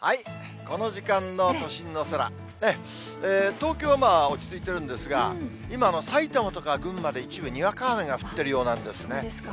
東京は落ち着いてるんですが、今、埼玉とか群馬で一部にわか雨が降ってるようなんですね。